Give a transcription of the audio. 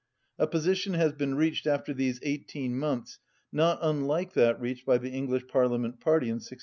A position has been reached after these eighteen months not unlike that reached by the English Parliament party in 1643.